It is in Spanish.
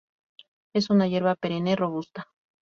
Es una hierba perenne, robusta.